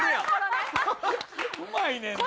うまいねんな。